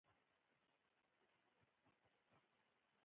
لیمو د لغمان نښه ده.